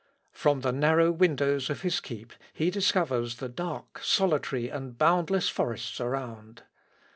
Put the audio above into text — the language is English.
From the narrow windows of his keep he discovers the dark, solitary, and boundless forests around.